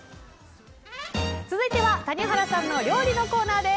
続いては谷原さんの料理のコーナーです。